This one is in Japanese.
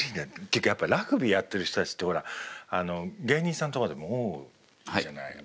やっぱラグビーやってる人たちって芸人さんとかでも多いじゃない。